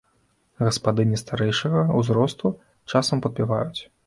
Гаспадыні старэйшага ўзросту часам падпяваюць.